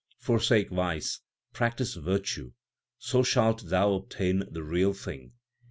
Forsake vice, practise virtue, so shalt thou obtain the Real Thing.